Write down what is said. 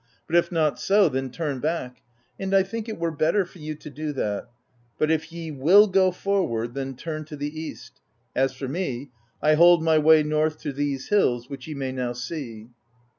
But if not so, then turn back, and I think it were better for you to do that; but if ye will go forward, then turn to the east. As for me, I hold my way north to these hills, which ye may now see.'